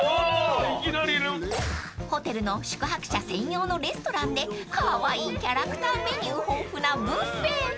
［ホテルの宿泊者専用のレストランでカワイイキャラクターメニュー豊富なブッフェ］